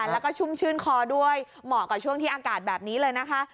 แล้วก็ชุ่มชื่นคอด้วยเหมาะกับช่วงที่อากาศแบบนี้เลยนะคะ